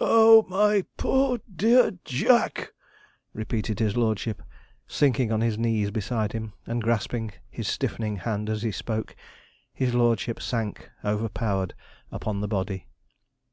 'Oh, my poor dear Jack!' repeated his lordship, sinking on his knees beside him, and grasping his stiffening hand as he spoke. His lordship sank overpowered upon the body.